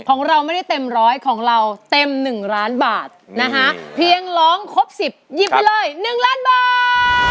ของเราไม่ได้เต็มร้อยของเราเต็ม๑ล้านบาทนะคะเพียงร้องครบสิบหยิบไปเลย๑ล้านบาท